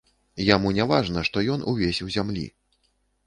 Яму не важна, што ён увесь у зямлі.